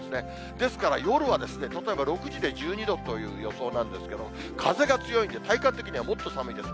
ですから夜は例えば、６時で１２度という予想なんですけれども、風が強いんで、体感的にはもっと寒いです。